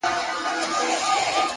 د نورو مرسته انسان ستر کوي!.